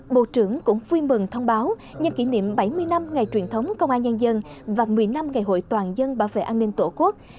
bộ trưởng cũng vui mừng thông báo nhân kỷ niệm bảy mươi năm ngày truyền thống công an nhân dân và một mươi năm ngày hội toàn dân bảo vệ an ninh tổ quốc